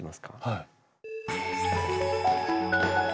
はい。